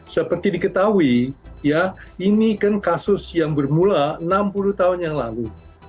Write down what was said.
seperti diketahui ini kan kasus yang bermula enam puluh tahun yang lalu